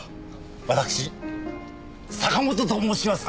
私坂本と申します。